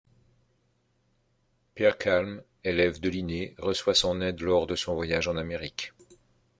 Pehr Kalm, élève de Linné, reçoit son aide lors de son voyage en Amérique.